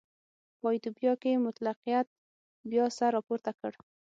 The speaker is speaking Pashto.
په ایتوپیا کې مطلقیت بیا سر راپورته کړ.